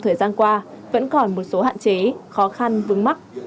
thời gian qua vẫn còn một số hạn chế khó khăn vững mắc